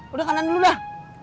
udah kanan dulu dah